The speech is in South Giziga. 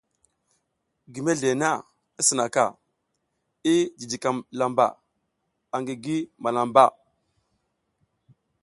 Gi mezle na i sinaka, i jijikam lamba angi gi malambaʼa.